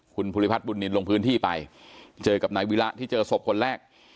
คุณภูริพัฒนบุญนินลงพื้นที่ไปเจอกับนายวิระที่เจอศพคนแรก